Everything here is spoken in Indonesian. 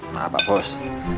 maaf pak bos